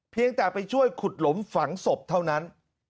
เพียงแต่ไปช่วยขุดหลุมฝังศพเท่านั้น